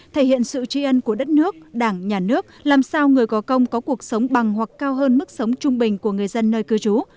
thể hiện sự tri ân của đất nước đảng nhà nước làm sao người có công có cuộc sống bằng hoặc cao hơn mức sống trung bình của người dân nơi cư trú